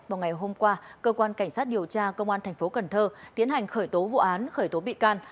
vào ngày hôm qua cơ quan cảnh sát điều tra công an thành phố cần thơ tiến hành khởi tố vụ án khởi tố bị can